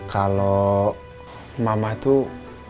kalau mama tuh